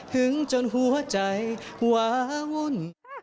หึงจนหัวใจว้าวุ่น